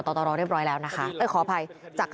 พตรพูดถึงเรื่องนี้ยังไงลองฟังกันหน่อยค่ะ